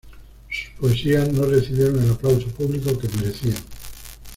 Sus poesías no recibieron el aplauso público que merecían.